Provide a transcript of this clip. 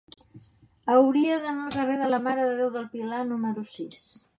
Hauria d'anar al carrer de la Mare de Déu del Pilar número sis.